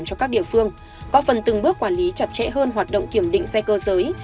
cho các địa phương có phần từng bước quản lý chặt chẽ hơn hoạt động kiểm định xe cơ giới